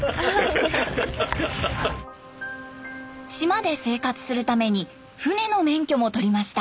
島で生活するために船の免許も取りました。